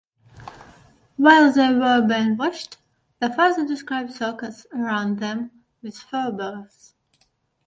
While they were being washed, the father described circles around them with fir-boughs.